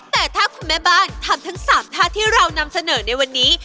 แต่ถ้าคุณแม่บ้านทำทั้ง๓ท่าที่เรานำเสนอในวันนี้